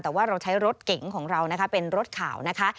แต่ว่าเราใช้รถเก๋งของเรานะคะเป็นรถข่าวนะคะ